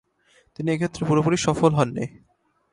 তিনি এক্ষেত্রে পুরোপুরি সফল হননি।